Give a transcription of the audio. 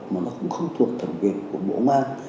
mà nó cũng không thuộc thẩm quyền của bộ ma